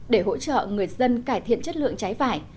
để hỗ trợ người dân cải thiện chất lượng trái vải